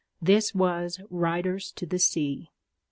This was _Riders to the Sea.